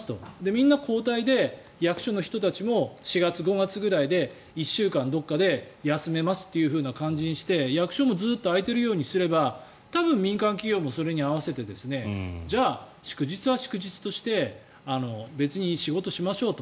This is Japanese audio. みんな交代で役所の人たちも４月、５月くらいで１週間どこかで休めますというふうな感じにして役所もずっと開いているようにすれば多分、民間企業もそれに合わせてじゃあ、祝日は祝日として別に仕事しましょうと。